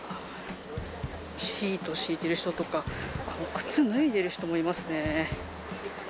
シート敷いてる人とか、靴脱いでる人もいますね。